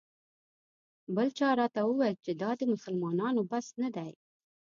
بل چا راته وویل چې دا د مسلمانانو بس نه دی.